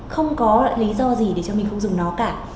không có lý do gì để cho mình không dùng nó cả